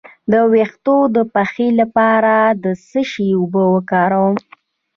د ویښتو د پخې لپاره د څه شي اوبه وکاروم؟